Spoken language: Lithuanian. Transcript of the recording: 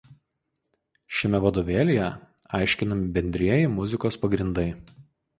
Šiame vadovėlyje aiškinami bendrieji muzikos pagrindai.